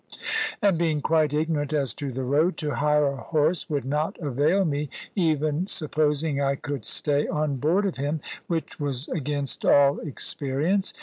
And being quite ignorant as to the road, to hire a horse would not avail me, even supposing I could stay on board of him, which was against all experience.